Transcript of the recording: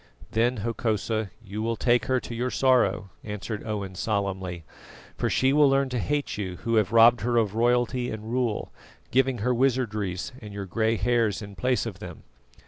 "Then, Hokosa, you will take her to your sorrow," answered Owen solemnly, "for she will learn to hate you who have robbed her of royalty and rule, giving her wizardries and your grey hairs in place of them."